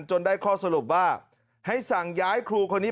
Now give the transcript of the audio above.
ได้ข้อสรุปว่าให้สั่งย้ายครูคนนี้